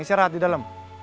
istirahat di dalam